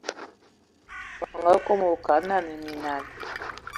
Mə nga kom wa kad nə a nə minal.